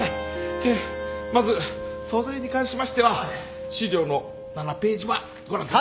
まず総菜に関しましては資料の７ページばご覧ください。